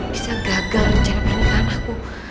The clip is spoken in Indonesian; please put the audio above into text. bisa gagal diceritain ke anakku